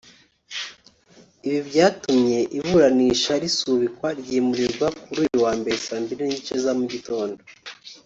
Ibi byatumye iburanisha risubikwa ryimurirwa kuri uyu wa Mbere saa mbili n’igice za mu gitondo